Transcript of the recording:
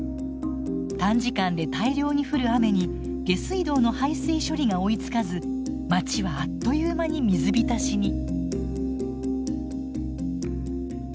短時間で大量に降る雨に下水道の排水処理が追いつかず町はあっという間に水浸しに。